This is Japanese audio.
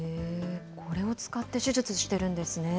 これを使って手術してるんですね。